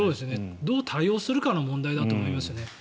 どう対応するかの問題だと思いますね。